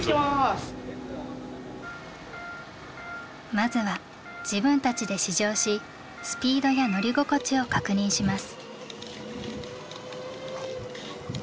まずは自分たちで試乗しスピードや乗り心地を確認します。